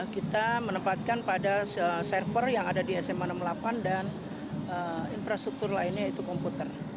kita menempatkan pada server yang ada di sma enam puluh delapan dan infrastruktur lainnya yaitu komputer